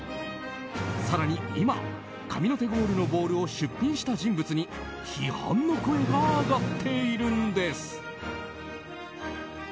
更に今、神の手ゴールのボールを出品した人物に批判の声が上がっているんです。